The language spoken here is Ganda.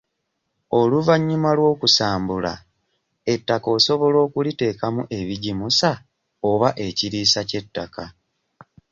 Oluvannyuma lw'okusambula ettaka osobola okuliteekamu ebigimusa oba ekiriisa ky'ettaka.